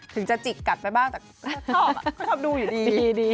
ถึงจะจิกกัดไปบ้างแต่เขาชอบดูอยู่ดี